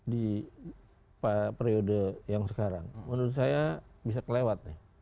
di periode yang sekarang menurut saya bisa kelewat nih